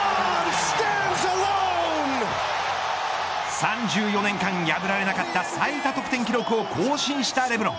３４年間破られなかった最多得点記録を更新したレブロン。